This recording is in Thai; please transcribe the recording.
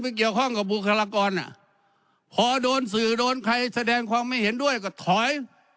เกี่ยวข้องกับบุคลากรอ่ะพอโดนสื่อโดนใครแสดงความไม่เห็นด้วยก็ถอย